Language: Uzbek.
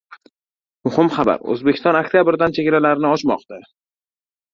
Muhim xabar! O‘zbekiston oktyabrdan chegaralarini ochmoqda